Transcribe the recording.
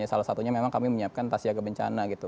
salah satunya memang kami menyiapkan tas siaga bencana gitu